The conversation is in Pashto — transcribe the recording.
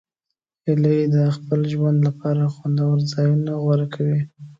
هیلۍ د خپل ژوند لپاره خوندور ځایونه غوره کوي